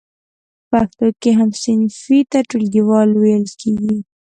په پښتو کې هم صنفي ته ټولګیوال ویل کیږی.